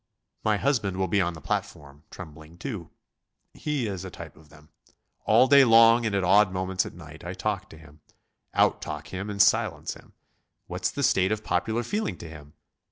My husband will be on the platform trembling too. He is a type of them. All day long and at odd moments at night I talk to him out talk him and silence him. What's the state of popular feeling to him?